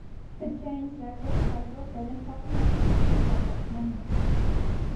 Բջջային ծրագրերը կարևոր դեր են խաղում այս ուղղության զարգացման մեջ։